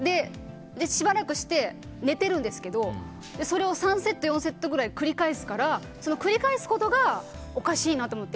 しばらくして、寝てるんですけどそれを３セット４セットくらい繰り返すから、繰り返すことがおかしいなと思って。